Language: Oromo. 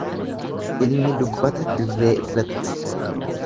Ilmi dubbata dirree irratti.